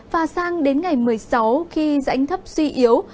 và sang đến ngày một mươi sáu khi rãnh thấp suy yếu